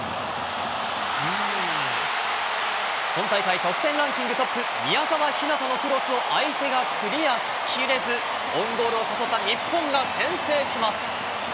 今大会、得点ランキングトップ、宮澤ひなたのクロスを相手がクリアしきれず、オウンゴールを誘った日本が先制します。